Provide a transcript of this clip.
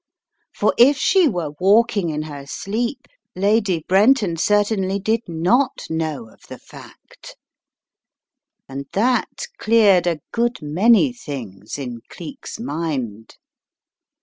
For if she were walking in her sleep, Lady Brenton certainly did not know of the fact. And that cleared a good many things in Cleek's mind.